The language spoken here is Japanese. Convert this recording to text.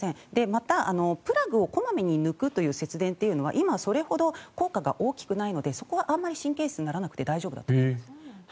またプラグを小まめに抜くという節電は今、それほど効果が大きくないのでそこはあんまり神経質にならなくて大丈夫だと思います。